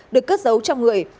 được cất giấu trong người